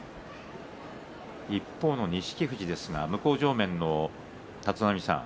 一方の錦富士ですが向正面の立浪さん